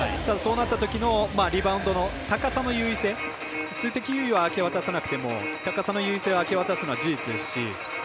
そうなったときのリバウンドの高さの優位性数的優位を明け渡さなくても高さの優位性を明け渡すのは事実ですし。